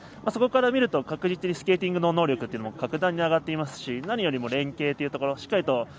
そこから見ると、確実にスケーティングの能力というのも格段に上がっていますし何よりも連係というところ。